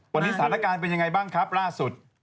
วันนี้สถานการณ์เป็นยังไงบ้างครับล่าสุด